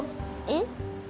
えっ？